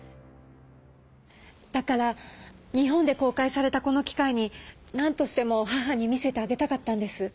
だから日本で公開されたこの機会になんとしても母に見せてあげたかったんです。